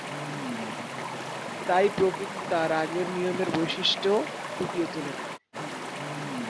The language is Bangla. তাই প্রকৃতি তার আগের নিয়মের বৈশিষ্ট্য ফুটিয়ে তোলে না।